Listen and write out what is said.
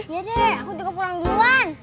yadeh aku juga pulang duluan